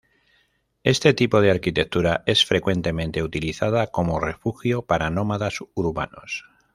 Este tipo de arquitectura es frecuentemente utilizada como refugio para nómadas urbanos.